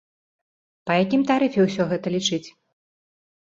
Па якім тарыфе ўсё гэта лічыць?